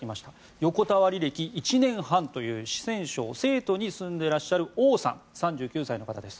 横たわり歴１年半という四川省成都に住んでいらっしゃるオウさん、３９歳の方です。